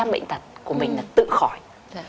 tám mươi bệnh tật của mình là tự khỏi